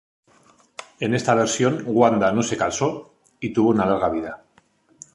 En esta versión Wanda no se casó y tuvo una larga vida.